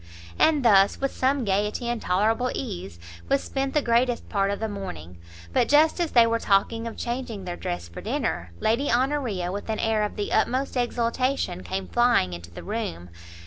And thus, with some gaiety, and tolerable ease, was spent the greatest part of the morning; but just as they were talking of changing their dress for dinner, Lady Honoria with an air of the utmost exultation, came flying into the room.